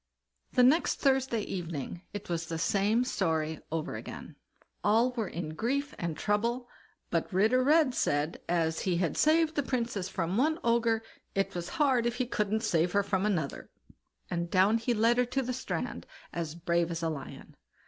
The next Thursday evening it was the same story over again; all were in grief and trouble, but Ritter Red said, as he had saved the Princess from one Ogre, it was hard if he couldn't save her from another; and down he led her to the strand as brave as a lion.